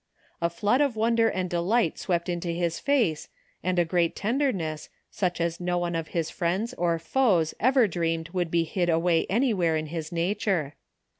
A flood of wonder and delight swept into his face and a great tenderness, such as no one of his friends or foes ever dreamed would be hid away anywhere in his nature.